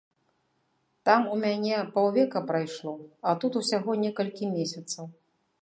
Там у мяне паўвека прайшло, а тут усяго некалькі месяцаў.